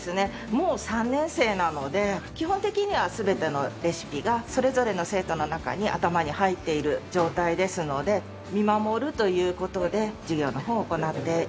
もう３年生なので基本的には全てのレシピがそれぞれの生徒の中に頭に入っている状態ですので見守るという事で授業の方を行っています。